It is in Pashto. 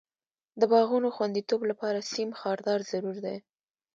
د باغونو خوندیتوب لپاره سیم خاردار ضرور دی.